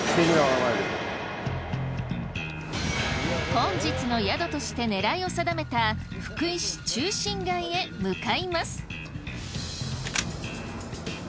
本日の宿として狙いを定めた福井市中心街へ向かいます。